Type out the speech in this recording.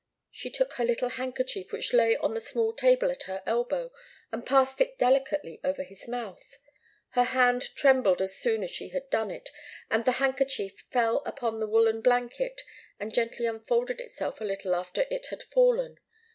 She took her little handkerchief which lay on the small table at her elbow, and passed it delicately over his mouth. Her hand trembled as soon as she had done it, and the handkerchief fell upon the woollen blanket, and gently unfolded itself a little after it had fallen.